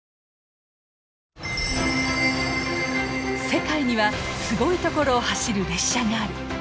世界にはすごい所を走る列車がある。